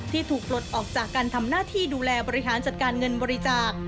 ที่ถูกปลดออกจากการทำหน้าที่ดูแลบริหารจัดการเงินบริจาค